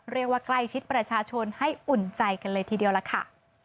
เรียกว่าใกล้ชิดประชาชนให้อุ่นใจกันเลยทีเดียวล่ะค่ะ